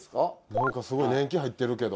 なんかすごい年季入ってるけど。